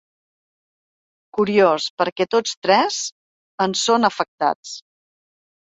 Curiós, perquè tots tres en són afectats.